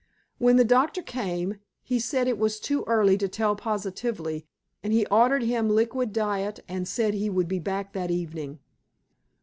When the doctor came he said it was too early to tell positively, and he ordered him liquid diet and said he would be back that evening.